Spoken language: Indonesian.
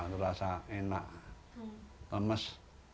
terasa enak lemes